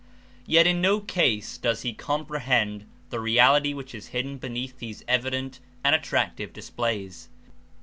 Yet in no case does he comprehend the reality which is hidden beneath these evident and attractive displays.